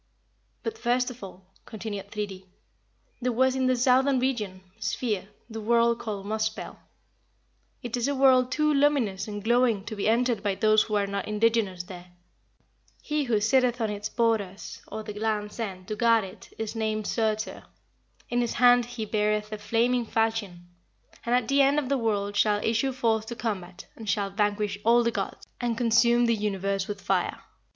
"But, first of all," continued Thridi, "there was in the southern region (sphere) the world called Muspell. It is a world too luminous and glowing to be entered by those who are not indigenous there. He who sitteth on its borders (or the land's end) to guard it is named Surtur. In his hand he beareth a flaming falchion, and at the end of the world shall issue forth to combat, and shall vanquish all the gods, and consume the universe with fire."